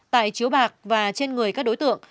tại chiếu bạc và trên người các đối tượng